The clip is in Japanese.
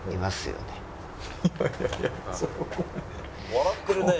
笑ってるね。